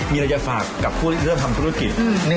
มีอะไรจะฝากกับผู้ที่เริ่มทำธุรกิจ